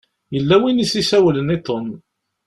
Yella win i s-isawlen i Tom.